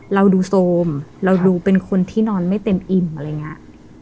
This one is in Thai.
เราดูโซมเราดูเป็นคนที่นอนไม่เต็มอิ่มอะไรอย่างนี้